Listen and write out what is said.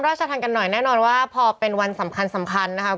ราชทันกันหน่อยแน่นอนว่าพอเป็นวันสำคัญสำคัญนะคะ